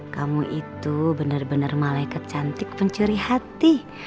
kamu itu benar benar malaikat cantik pencuri hati